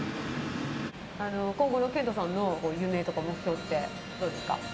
今後の研人さんの夢とか目標ってどうですか？